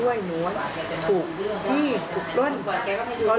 ก็อยู่กับพวกรีบลวง